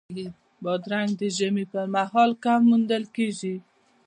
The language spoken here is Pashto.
بادرنګ د ژمي پر مهال کم موندل کېږي.